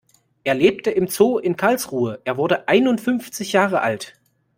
Er lebte im Zoo in Karlsruhe, er wurde einundfünfzig Jahre alt.